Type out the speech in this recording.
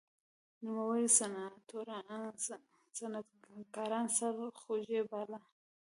نوموړي صنعتکاران سرخوږی باله.